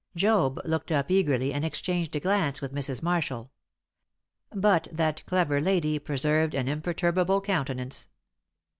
Job looked up eagerly and exchanged a glance with Mrs. Marshall. But that clever lady preserved an imperturbable countenance.